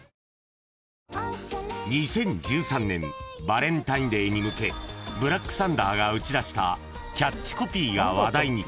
［バレンタインデーに向けブラックサンダーが打ち出したキャッチコピーが話題に］